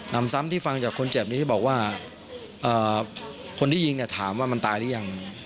นำซ้ำที่ฟังจากคนเจ็บนี้ที่บอกว่าคนที่ยิงเนี่ยถามว่ามันตายหรือยัง